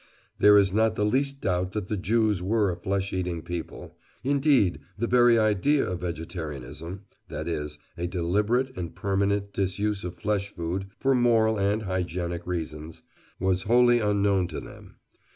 There is not the least doubt that the Jews were a flesh eating people; indeed, the very idea of vegetarianism (that is, a deliberate and permanent disuse of flesh food for moral and hygienic reasons) was wholly unknown to them.